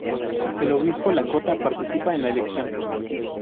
El obispo Lakota participa en la elección.